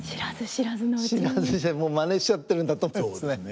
知らず知らずにもうまねしちゃってるんだと思いますね。